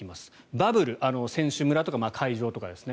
バブル選手村とか会場とかですね